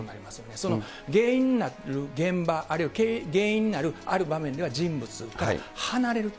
その原因になる現場、あるいは原因になるある場面では人物離れると。